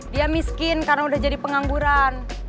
dia miskin karena udah jadi pengangguran